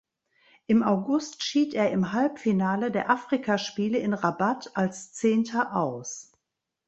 Im August schied er im Halbfinale der Afrikaspiele in Rabat als Zehnter aus.